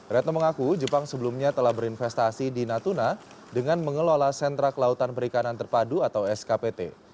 retno mengaku jepang sebelumnya telah berinvestasi di natuna dengan mengelola sentra kelautan perikanan terpadu atau skpt